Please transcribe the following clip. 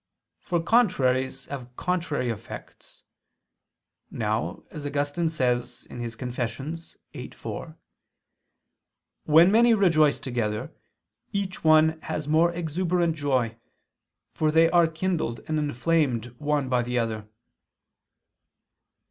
For contraries have contrary effects. Now as Augustine says (Confess. viii, 4), "when many rejoice together, each one has more exuberant joy, for they are kindled and inflamed one by the other."